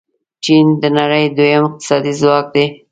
چین د نړۍ دویم اقتصادي ځواک دی.